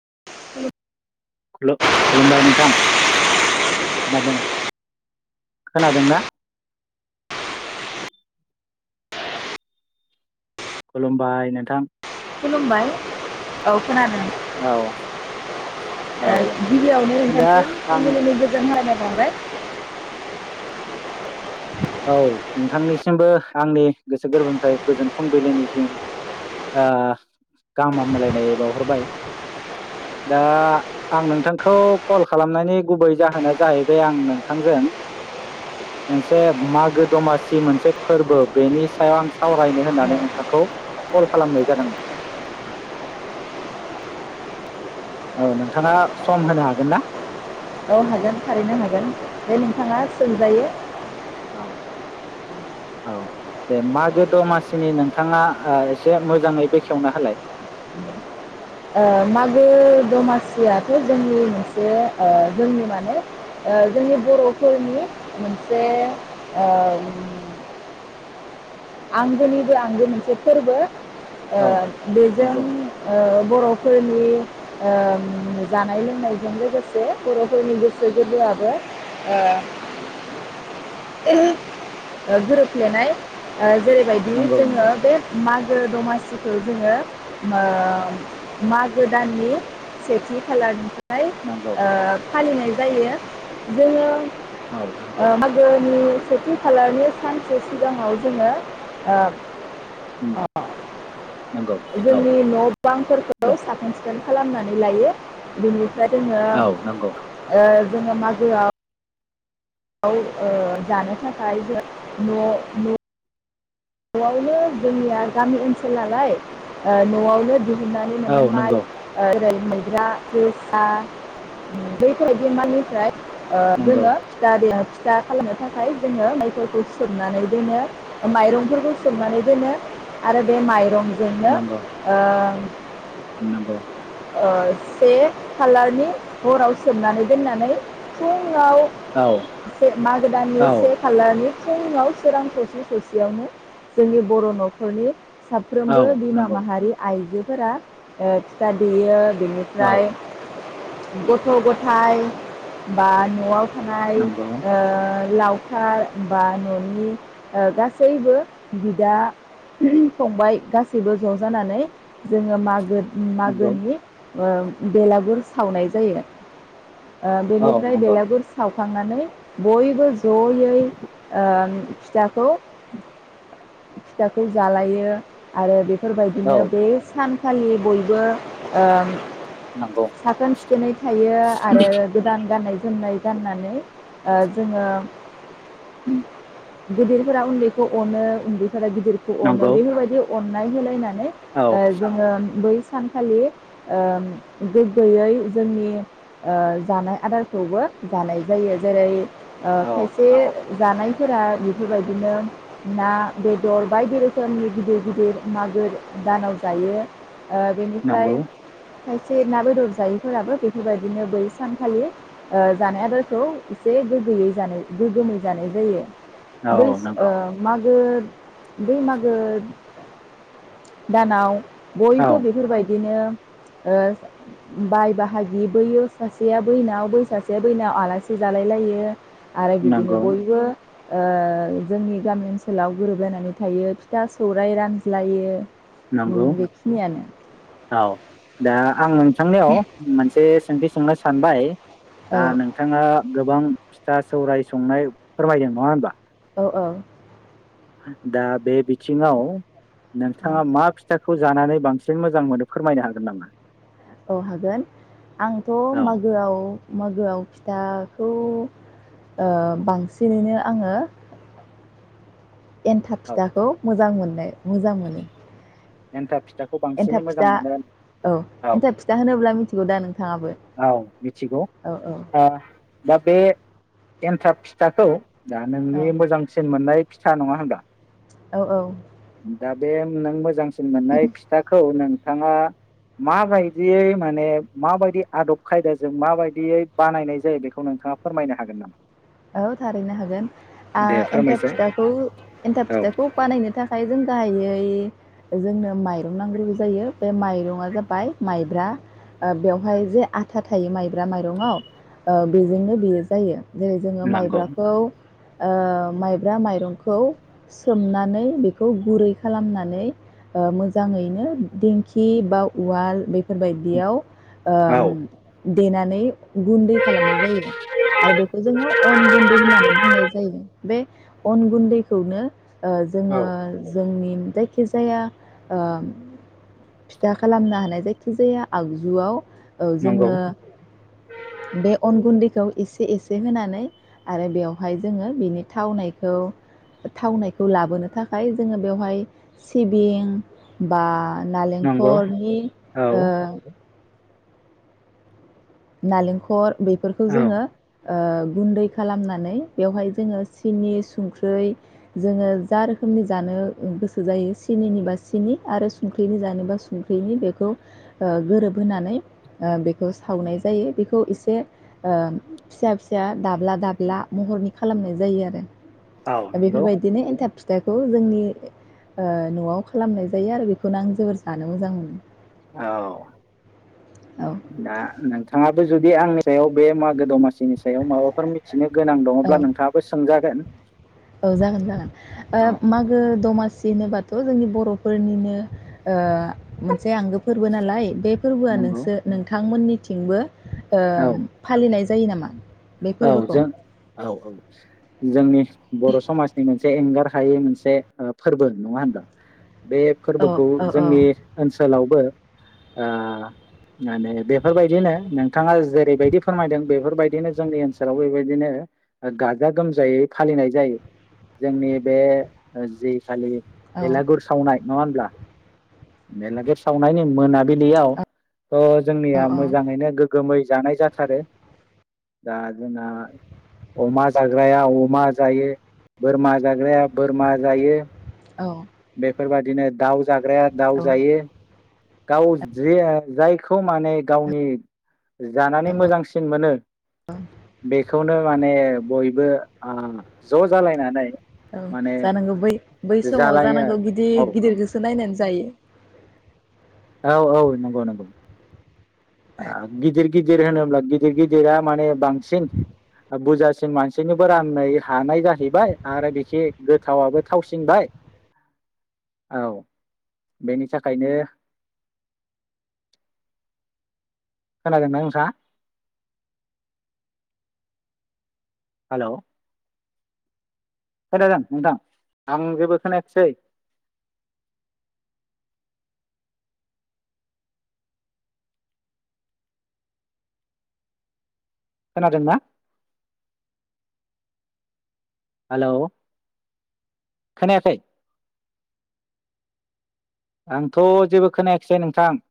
[unintelligible] खुलु खुलुमबाय नोंथां खोनादों खोनादोंना? खुलुमबाय नोंथां खुलुमबाय औ। खोनादों औ ओ औ गिबियावनो दा नोंथांसिम आं फुंबिलिनि गोजोन हामग्लायनाय [unintelligible] औ नोंथांनिसिमबो आंनि गोसो गोरबोनिफ्राय गोजोन फुंबिलिनिसिम गाहाम हामग्लायनाय बावहरबाय दा आं नोंथांखौ कल खालामनायनि गुबै जाहोना जाहैबाय आं नोंथांजों मोनसे मागो दमासि मोनसे फोरबो बेनि सायाव आं सावरायनो होननानै औ नोंथांखौ कल खालामनाय जादोंमोन। औ नोंथाङा सम होनो हागोन ना? औ हागोन थारैनो हागोन दे नोंथाङा सोंजायो। औ औ दे मागो दमासिनि नोंथाङा ओ एसे मोजाङै बेखेवना होलाय। ओ मागो दमासियाथ' जोंनि मोनसे जोंनि माने जोंनि बर'फोरनि मोनसे ओ आंगोनिबो आंगो मोनसे फोरबो। ओ औ बेजों नंगौ ओ बर'फोरनि नि ओ जानाय लोंनायजों लोगोसे बर'फोरनि गोसो गोरबोआबो गोरोबफ्लेनाय दा जेरैबायदि नंगौ जोङो नंगौ बे माग मागो दमासिखौ जोङो ओ मागो दाननि सेथि खालारनि ओमफ्राय नंगौ ओ फालिनाय जायो जोङो औ नंगौ ओ मागोनि सेथि खालारनि सान से सिगाङाव जोङो ओ उम नंगौ औ जोंनि न बांफोरखौ दे साखोन सिखोन खालामनानै लायो बिनि ओमफ्राय जोङो औ नंगौ ओ जोङो मागोआव औ जानो थाखाय [unintelligible] नआवनो जोंनिया गामि ओनसोलनालाय ओ नआवनो औ नंगौ [unintelligible] माब्रा जोसा बैफोरदि माइनिफ्राय ओ नंगौ जोङो [unintelligible] जा खालामनो थाखाय जोङो बैफोरखौ सोमनानै दोनो माइरंफोर खौ सोमनानै दोनो आरो बे माइरं जोंनो ओ नंगौ नंगौ ओ से खालारनि हराव सोमनानै दोननानै फुं ङाव औ माघो दाननि से खालारनि फुंयाव सोरां ससे ससेयावनो जोंनि बर नखरनि औ साफ्रोमबो औ बिमा नंगौ माहारि आइजो फोरा ओ फिथा देयो औ बेनिफ्राय गथ' गथाय बा न'आव। थानाय‌ नंगौ ओ लावखार बा न'नि ओ गासैबो बिदा फंबाय गासैबो ज जानानै जोङो मागो नंगौ मागोनि ओ बेलागुर सावनाय जायो। ओ औ बेनिफ्राय नंगौ बेलागुर साव खांनानै बयबो जयै ओ फिथाखौ फिथाखौ जालायो आरो बे बेफोरबायदिनो औ बे सान खालनि बयबो ओम नंगौ साखोन सिखोनै थायो आरो गोदान गाननाय जोमनाय गाननानै ओ जोङो गेदिरफोरा उन्दैखौ अनो। जा गदिरखौ अनो नंगौ बाफोरबायदि अननाय होलायनाय औ जोङो बै सानखालि ओ गोग्गोयै जोंनि ओ जानाय आदारखौबो जानाय जायो जेरै ओ औ खायसे जानायफोरा बेफोरबायदिनो ना बेदर बायदि रोखोमनि गिदिर गिदिर मागो दानाव जायो आ नंगौ बेनिफ्राइ खायसे ना बेदर जायैफोराबो बेफोरबायदिनो बै सानखालि जानाय आदारखौ एसे गोग्गोयै जानाय गोगोमै जानाय जायो। औ बेस नंगौ ओ मागो ब मागो दानाव औ बयबो बिफोरबाय बिदिनो बाय बाहागि बोयो सासेया बैनाव बै सासेया बैनाव आलासि जालायलायो आरो बिदिनो नंगौ बयबो ओ जोंनि गामि ओनसोलाव गोरोबलायनानै थायो फिथा सौराइ रानज्लायो उम नंगौ बेखिनियानो औ दा आं नों थांनायाव मोनसे सिथिं सोंनो सानबाय। औ दा नोंथाङा गोबां फिथा सौराय संनाय फोरमायदों नङा होमबा? औ ओ। दा बे बिथिङाव औ नोंथाङा मा फिथाख खौ जानानै बांसिन मोजां मोनो फोरमायनो हागोन नामा? औ हागोन आंथ' औ मागोआव मागोआव फिथा खौ ओ बांसिनैनो आङो एन्थाब औ फिथाखौ मोजां मोन ए मोजां मोनो। एनथाब एन्थाब फिथा औ एन्थाब फिथा होनोब्ला मिथिगौ दा नोंथाङाबो औ मिथिगौ औ ओ। दा बे एन्थाब फिथाखौ दा औ नोंनि मोजांसिन मोननाय फिथा नङा होनब्ला? औ औ। दा बे नों मोजां सिन मोननाय फिथाखौ नों थाङा माबायदियै माने माबायदि आदब खायदाजों माबायदियै बानायनाय जायो बेखौ नोंथाङा फोरमायनो हागोन नामा? औ थारैनो हागोन ओ दे एन्थाब फोरमायसाय फिथाखौ एन्थाब औ फिथाखौ बानायनो थाखाय जों गाहायै जोंनो माइरं नांग्रोगौ जायो बे माइरंआ जाबाय माइब्रा ओ बेयावहाय जे आथा थायो माइ ब्रा माइरंआव ओ बेजोंनो बेयो जायो जेरै जोङो नंगौ माइब्राखौ ओ माइब्रा माइरंखौ सोमनानै बेखौ गुरै खालामनानै ओ मोजाङैनो दिंखि बा उवाल बे फोरबायदियाव औ ओ देनानै गुन्दै खालामनाय जायो आरो बेखौ जोङो अन गुन्दै होननानै बुंनाय जायो बे अन गुन्दैखौनो ओ औ जोङो जोंनि जायखिजाया ओ फिथा खालामना हानाय जायखिजाया आगजुआव औ नंगौ जोङो बे अन गुन्दैखौ इसे इसे होनानै आरो बेवहाय जोङो बिनि थावनायखौ थावनायखौ लाबोनो थाखाय जोङो बेवहाय सिबिं बा नंगौ नालेंखरनि औ ओ नारेंखल बेफोरखौ औ जोङो ओ गुन्दै खालामनानै बेवहाय जोङो सिनि संख्रै जोङो जा रोखोमनि जानो गोसो जायो सिनिनिबा सिनि आरो संख्रिनि जानोबा संख्रिनि बेखौ ओ गोरोबहोनानै ओ बेखौ सावनाय जा जायो बेखौ एसे फिसा फिसा दाब्ला दाब्ला महरनि खालामनाय जायो आरो। औ नंगौ बेफोरबायदिनो एन्थाब फि फिथाखौ जोंनि ओ न'आव खालामनाय जायो आरो बेखौनो आं जोबोर जानो मोजां मोनो। औ। औ दा नोंथाङा जुदि आंनि सायाव बे मागो दमासि सिनि सायाव माबाफोर मिथिनो गोनां औ दङब्ला नोंथाङाबो सोंजागोन। औ जागोन जागोन ओ औ मागो दमा सि होनोबाथ' जोंनि बर'फोरनिनो ओ मोनसे आंगो फोरबो नालाय बे फोरबोआ नंगौ नोंसोर नोंथांमोननि थिंबो औ फालिनाय जायो नामा बे औ फोरबोखौ जों औ औ जोंनि बर' समाजनि मोनसे से एंगार हायै मोनसे फोरबो नङा होनबा बे औ फोरबोखौ औ औ जोंनि ओनसोलावबो माने बेफोरबायदिनो नोंथाङा जेरैबायदि फोरमायदों बेफोरबायदिनो जोंनि ओनसोलाव बेबायदिनो गाजा गोमजायै फालिनाय जायो जोंनि बे जि खालि औ भेलागुर सावनाय नङा हब्ला बेलागुब सावनायनि मोनाबिलियाव थ' जोंनिया मोजाङैनो गोग्गोमै जानाय जाथारो दा जोंना अमा जाग्राया अमा जायो बोरमा जाग्राया बोरमा जायो औ बेफोरबायदिनो दाउ जाग्राया दाउ औ जायो गाव जाय खौ माने गावनि जानानै मोजांसिन मोनो बेखौनो माने बयबो ज' जालायनानै औ माने जानांगौ बै बै समाव जालायो जानांगौ गिदिर औ गिदिर गोसो नायनानै जायो औ औ नंगौ नंगौ गिदिर गिदिर होनोब्ला गिदिर गिदिरा माने बांसिन बुरजासिन मानसिनिबो राननो हानाय जाहैबाय आरो बिखि गोथावाबो थावसिनबाय औ बेनि थाखायनो खोनादों ना नोंथांआ हेल' खोनादों नोंथां आं जेबो खोनायाखिसै खोनादोंना? हेलौ खोनायाखै आंथ' जेबो खोनायाखिसै नोंथां